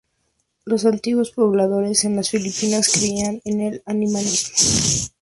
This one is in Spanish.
Los antiguos pobladores en las Filipinas creían en el animismo.